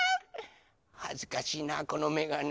はずかしいなこのめがね。